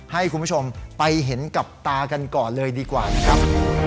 ให้คุณผู้ชมไปเห็นกับตากันก่อนเลยดีกว่านะครับ